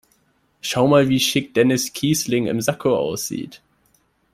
Schau mal, wie schick Dennis Kießling im Sakko aussieht!